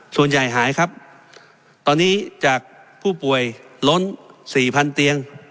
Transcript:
ส่วนใหญ่หายครับตอนนี้จากผู้ป่วยล้น๔๐๐๐เตียง